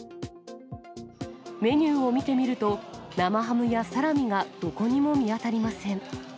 メニューを見てみると、生ハムやサラミがどこにも見当たりません。